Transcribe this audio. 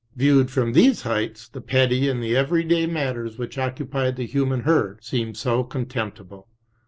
Viewed from these heights, the petty and the every day matters which occupied the human herd seemed so contemp tible.